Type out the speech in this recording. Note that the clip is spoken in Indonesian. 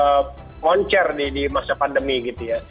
jadi ini juga menuncur di masa pandemi gitu ya